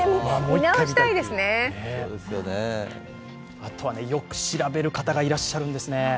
あとはよく調べる方がいらっしゃるんですね。